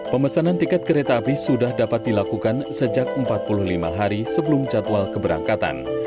pemesanan tiket kereta api sudah dapat dilakukan sejak empat puluh lima hari sebelum jadwal keberangkatan